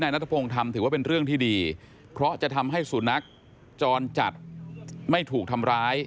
คือแค่รูปเรามาติดแค่นั้นเองแต่ว่าหมาตัวนี้อาจจะไม่โดนทำร้ายก็ได้